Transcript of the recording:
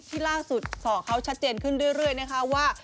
ล่าสุดส่อเขาชัดเจนขึ้นเรื่อยนะคะว่า